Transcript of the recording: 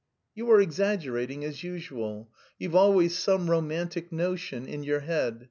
"You are exaggerating as usual. You've always some romantic notion in your head.